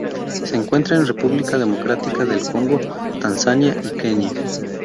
Se encuentra en República Democrática del Congo, Tanzania y Kenia.